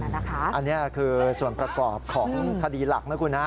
อันนี้คือส่วนประกอบของคดีหลักนะคุณฮะ